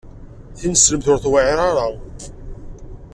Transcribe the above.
Tineslemt ur tewɛiṛ ara.